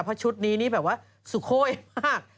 เพราะชุดนี้นี่แบบว่าสุโค้ยมาก